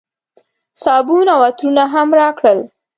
صابون او عطرونه هم راکړل.